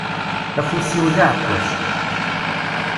Afus-iw d aεekkaz.